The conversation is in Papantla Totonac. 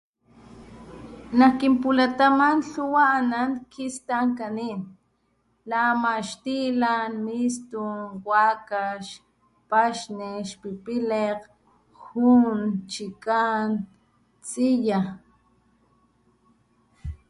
Nak kinpulataman lhuwa anan kistankanin la ama xtilan, mistun, wakax, paxni, xpipilekg, jun, chikan, tsiya.